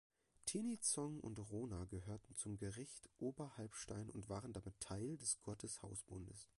Tinizong und Rona gehörten zum Gericht Oberhalbstein und waren damit Teil des Gotteshausbundes.